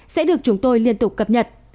sẽ được chúng tôi liên tục cập nhật